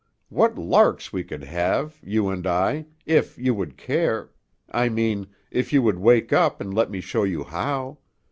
What larks we could have, you and I, if you would care I mean, if you would wake up and let me show you how.